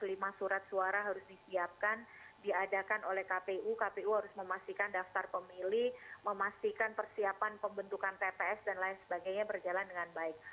lima surat suara harus disiapkan diadakan oleh kpu kpu harus memastikan daftar pemilih memastikan persiapan pembentukan tps dan lain sebagainya berjalan dengan baik